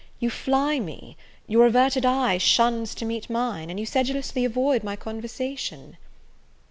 you fly me, your averted eye shuns to meet mine, and you sedulously avoid my conversation."